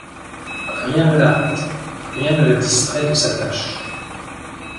Rien ne l’arrête, rien ne la distrait de sa tâche.